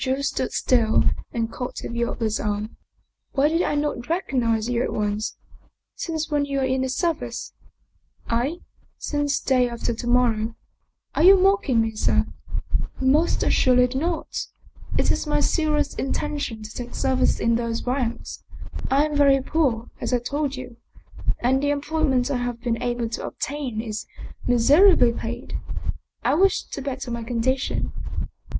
The Jew stood still and caught at the other's arm. 47 German Mystery Stories "Why did I not recognize you at once? Since when are you in the service ?"" I ? Since day after to morrow." " Are you mocking me, sir? "" Most assuredly not. It is my serious intention to take service in those ranks. I am very poor as I told you, and the employment I have been able to obtain is miserably paid. I wish to better my condition."